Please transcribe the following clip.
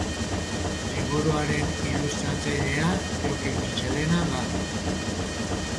Liburuaren ilustratzailea Jokin Mitxelena da.